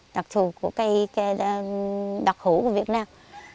đặc thù của cây đặc hữu của việt nam